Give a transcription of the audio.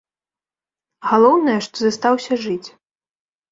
Галоўнае, што застаўся жыць.